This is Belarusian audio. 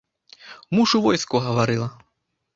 Муж у войску, гаварыла.